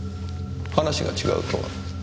「話が違う」とは？